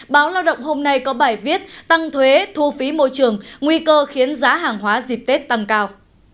báo lao động hôm nay có bài viết tăng thuế thu phí môi trường nguy cơ khiến giá hàng hóa dịp tết tăng cao